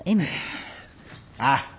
ああ。